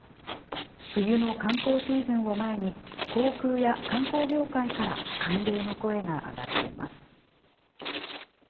冬の観光シーズンを前に、航空や観光業界から歓迎の声が上がっています。